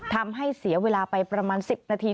ทำให้เสียเวลาไปประมาณ๑๐นาที